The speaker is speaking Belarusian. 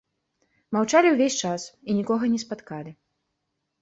Маўчалі ўвесь час і нікога не спаткалі.